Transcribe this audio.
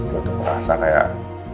gue tuh merasa kayak